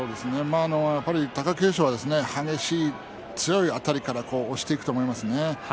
やっぱり貴景勝は激しい強いあたりから押していくと思いますね。